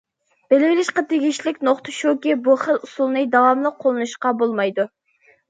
بىلىۋېلىشقا تېگىشلىك نۇقتا شۇكى، بۇ خىل ئۇسۇلنى داۋاملىق قوللىنىشقا بولمايدۇ.